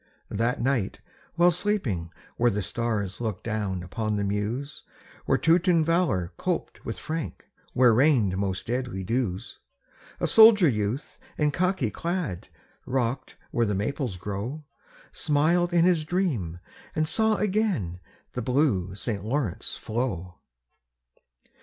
That night while sleeping where the stars Look down upon the Meuse, Where Teuton valor coped with Frank, Where rained most deadly dews, A soldier youth in khaki clad, Rock'd where the Maples grow, Smiled in his dream and saw again The blue St. Lawrence flow.